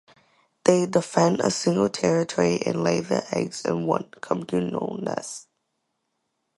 They defend a single territory and lay their eggs in one communal nest.